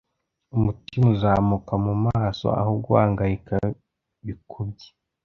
Umutima uzamuka mu maso aho guhangayika bikubye